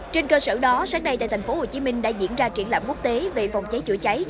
trên cơ sở đó sáng nay tại tp hcm đã diễn ra triển lãm quốc tế về phòng cháy chữa cháy